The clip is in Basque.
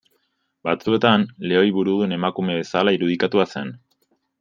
Batzuetan, lehoi burudun emakume bezala irudikatua zen.